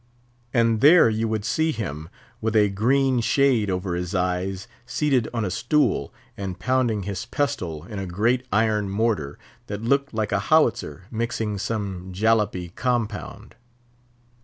And there you would see him, with a green shade over his eyes, seated on a stool, and pounding his pestle in a great iron mortar that looked like a howitzer, mixing some jallapy compound.